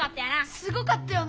すごかったよな